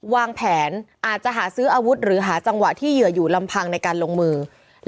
วางแผนอาจจะหาซื้ออาวุธหรือหาจังหวะที่เหยื่ออยู่ลำพังในการลงมือ